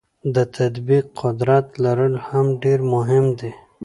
د تطبیق قدرت لرل هم ډیر مهم دي.